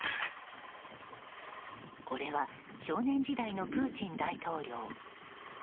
これは少年時代のプーチン大統領。